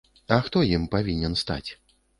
А хто ім павінен стаць?